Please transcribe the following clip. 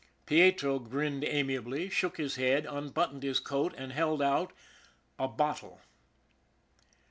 " Pietro grinned amiably, shook his head, unbuttoned his coat, and held out a bottle.